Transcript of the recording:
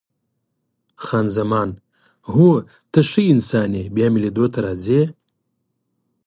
خان زمان: هو، ته ښه انسان یې، بیا مې لیدو ته راځې؟